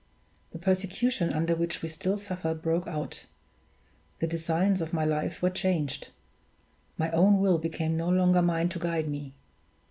The persecution under which we still suffer broke out; the designs of my life were changed; my own will became no longer mine to guide me.